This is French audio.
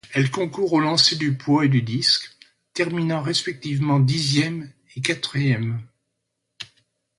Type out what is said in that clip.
Elle concourt au lancer du poids et du disque, terminant respectivement dixième et quatrième.